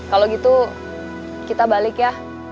kalau gitu kita balik ya